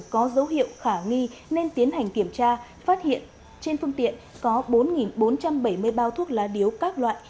có dấu hiệu khả nghi nên tiến hành kiểm tra phát hiện trên phương tiện có bốn bốn trăm bảy mươi bao thuốc lá điếu các loại